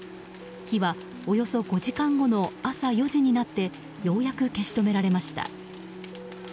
火はおよそ５時間後の朝４時になってようやく消し止められました。